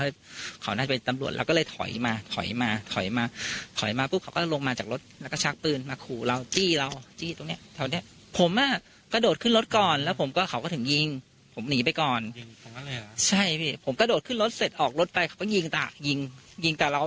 ใช่พี่ผมกระโดดขึ้นรถเสร็จออกรถไปเขาก็ยิงจากยิงจากเรา